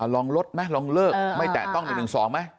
อ่ะอ่ะลองลดไหมลองเลิกไม่แต่ต้องหนึ่งหนึ่งสองไหม